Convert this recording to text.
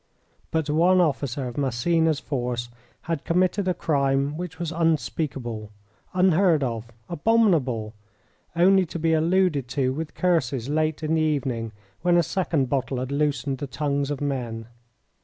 But one officer of Massena's force had committed a crime which was unspeakable, unheard of, abominable; only to be alluded to with curses late in the evening, when a second bottle had loosened the tongues of men.